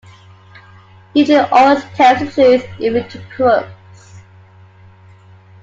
Eugene always tells the truth, even to crooks.